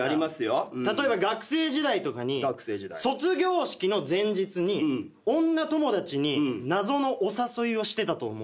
例えば学生時代とかに卒業式の前日に女友達に謎のお誘いをしてたと思う。